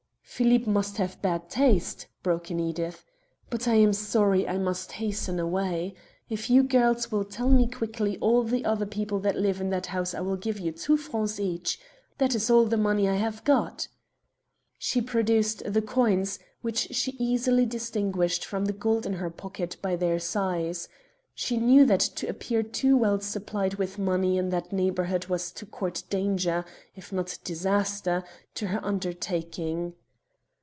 "Phillippe must have bad taste," broke in Edith. "But I am sorry I must hasten away. If you girls will tell me quickly all the other people that live in that house I will give you two francs each. That is all the money I have got." She produced the coins, which she easily distinguished from the gold in her pocket by their size. She knew that to appear too well supplied with money in that neighbourhood was to court danger, if not disaster, to her undertaking.